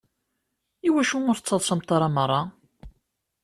Iwacu ur tettaḍsamt ara merra?